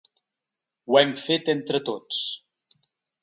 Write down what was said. Ho hem fet entre tots!